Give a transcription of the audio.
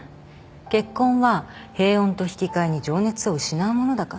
結婚は平穏と引き換えに情熱を失うものだから。